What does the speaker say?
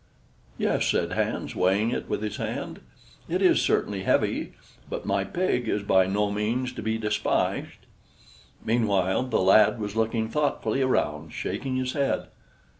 "Yes," said Hans, weighing it with his hand, "it is certainly heavy, but my pig is by no means to be despised." Meanwhile the lad was looking thoughtfully around, shaking his head.